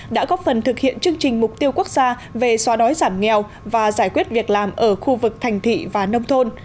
đã góp phần thực hiện chương trình mục tiêu quốc gia về xóa đói giảm nghèo và giải quyết việc làm ở khu vực thành thị và nông thôn